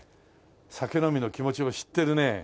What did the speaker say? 酒飲みの気持ちを知ってるね。